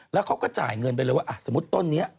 แล้วเขาก็จ่ายเงินไปเลยว่าสมมุติต้นนี้